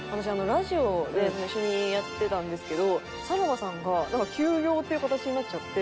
ラジオを一緒にやってたんですけどさらばさんが休養っていう形になっちゃって。